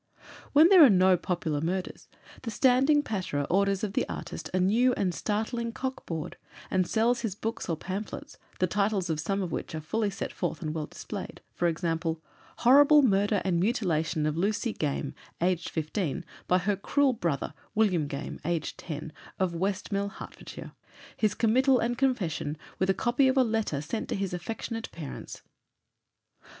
When there are no "popular murders" the standing patterer orders of the artist a new and startling "cock board" and sells his books or pamphlets, the titles of some of which are fully set forth and well displayed; for example: "Horrible murder and mutilation of Lucy Game, aged 15, by her cruel brother, William Game, aged 10, of Westmill, Hertfordshire. His committal and confession, with a copy of a letter sent to his affectionate parents."